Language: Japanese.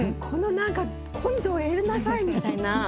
このなんか根性を得なさいみたいな。